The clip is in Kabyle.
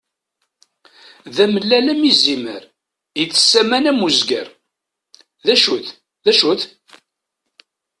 D amellal am izimer, ites aman am uzger. D acu-t, d acu-t?